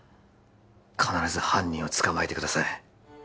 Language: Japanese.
必ず犯人を捕まえてください